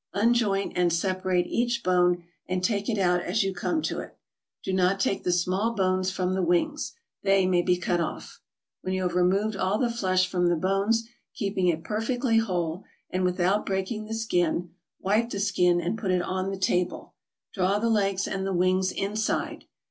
Unjoint and separate each bone, and take it out as you come to it. Do not take the small bones from the wings; they may be cut off. When you have removed all the flesh from the bones, keeping it perfectly whole, and without breaking the skin, wipe the skin and put it on the table; draw the legs and the wings inside.